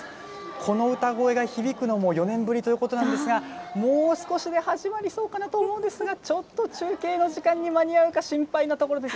この歌声が響くのも４年ぶりということなんですが、もう少しで始まりそうかなと思うんですが、ちょっと中継の時間に間に合うか心配なところです。